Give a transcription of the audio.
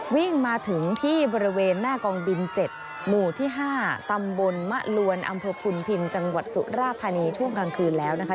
วิ่งมาถึงที่บริเวณหน้ากองบิน๗หมู่ที่๕ตำบลมะลวนอำเภอพุนพินจังหวัดสุราธานีช่วงกลางคืนแล้วนะคะ